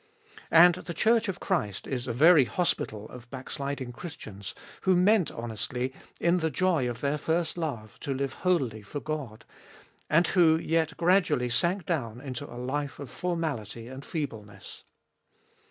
And the Church of Christ is a very hospital of backsliding Christians, who meant honestly, in the joy of their first love, to live wholly for God, and who yet gradually sank down into a life of formality and feebleness.